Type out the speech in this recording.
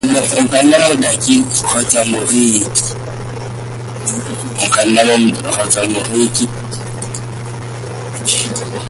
O ka nna motaki kgotsa moreki!